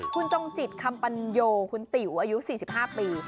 คุณจงจิตคำปัญโยคุณติ๋วอายุ๔๕ปี